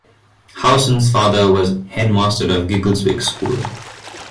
Howson's father was head-master of Giggleswick School.